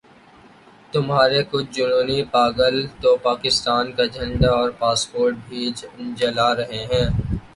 تمہارے کچھ جنونی پاگل تو پاکستان کا جھنڈا اور پاسپورٹ بھی جلا رہے ہیں۔